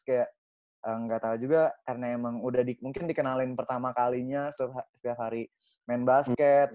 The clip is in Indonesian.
kayak nggak tahu juga karena emang udah mungkin dikenalin pertama kalinya setiap hari main basket